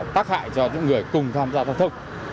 tác hại cho những người cùng tham gia giao thông